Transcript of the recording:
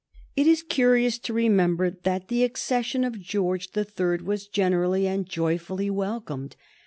It is curious to remember that the accession of George the Third was generally and joyfully welcomed.